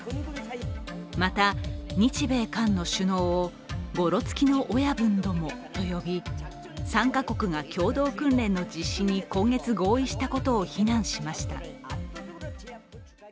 また、日米韓の首脳をごろつきの親分どもと呼び、３か国が共同訓練の実施に今月合意したことを非難しました。